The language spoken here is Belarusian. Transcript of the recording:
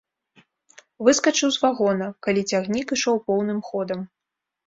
Выскачыў з вагона, калі цягнік ішоў поўным ходам.